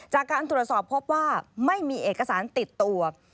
จากการตรวจสอบพบว่าไม่มีเอกสารติดตัว